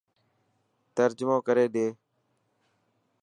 ترجمو ڪري ڏي.